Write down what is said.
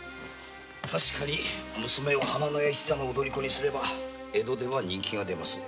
確かに娘を花廼屋一座の踊り子にすれば江戸では人気が出ます。